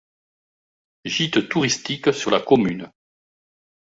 Gîtes touristiques sur la commune.